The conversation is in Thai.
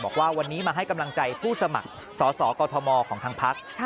บอกว่าวันนี้มาให้กำลังใจผู้สมัครสอสอกอทมของทางพัก